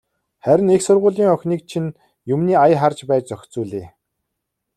Харин их сургуулийн охиныг чинь юмны ая харж байж зохицуулъя.